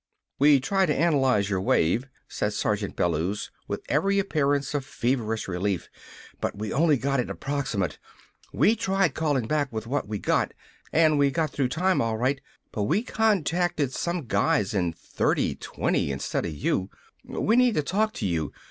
_" "We tried to analyze your wave," said Sergeant Bellews, with every appearance of feverish relief, "but we only got it approximate. We tried callin' back with what we got, and we got through time, all right, but we contacted some guys in 3020 instead of you! We need to talk to you!